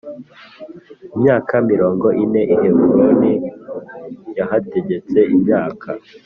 imyaka mirongo ine I Heburoni yahategetse imyaka